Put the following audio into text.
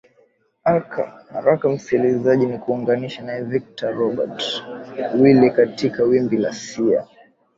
aka haraka msikilizaji nikuunganishe naye victor robert wile katika wimbi la sia